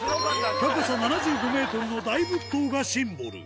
高さ７５メートルの大仏塔がシンボル。